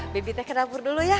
bibitnya ke dapur dulu ya